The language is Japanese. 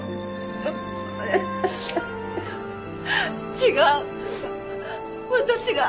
違う私が。